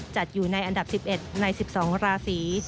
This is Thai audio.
จัดอยู่ในอันดับ๑๑ใน๑๒ราศี